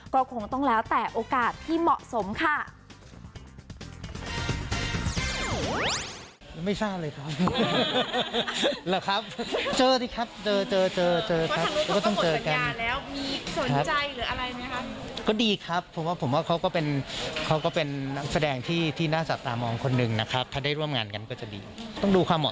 ก็คงต้องแล้วแต่โอกาสที่เหมาะสมค่ะ